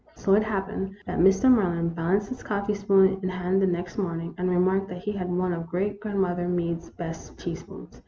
So it happened that Mr. Maryland balanced his coffee spoon in hand the next morning, and remarked that he had one of great grandmother Meade's best teaspoons.